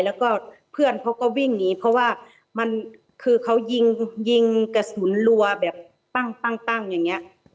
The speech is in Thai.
แล้วก็เพื่อนเขาก็วิ่งหนีเพราะว่ามันคือเขายิงยิงกระสุนรัวแบบปั้งอย่างนี้